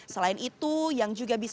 selain itu yang juga bisa